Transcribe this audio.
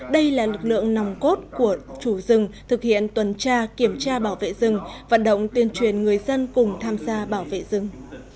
đây là lực lượng nòng cốt của chủ rừng thực hiện tuần tra kiểm tra bảo vệ rừng vận động tuyên truyền người dân cùng tham gia bảo vệ rừng